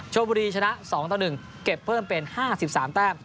ชมบุรีชนะ๒ต่อ๑เก็บเพิ่มเป็น๕๓แต้ม